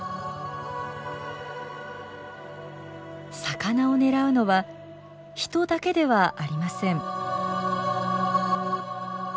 魚を狙うのは人だけではありません。